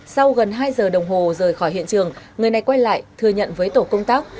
sau gần hai giờ đồng hồ rời khỏi hiện trường người này quay lại thừa nhận với tổ công tác